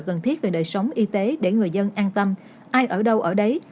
cần thiết về đời sống y tế để người dân an tâm ai ở đâu ở đấy